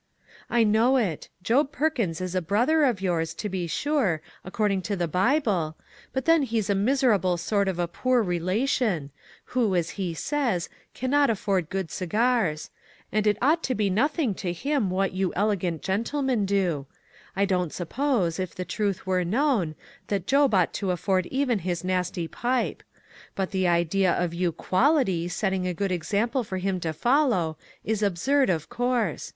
"I know it; Job Perkins is a brother of MISS WAINWRIGHT S " MUDDLE. 33 yours, to be sure, according to the Bible, but then he's a miserable sort of a poor re lation, who, as he says, cannot afford good cigars ; and it ought to be nothing to him what you elegant gentlemen do. I don't sup pose, if the truth were known, that Job ought to afford even his nasty pipe ; but the idea of you ' quality ' setting a good example for him to follow, is absurd, of course.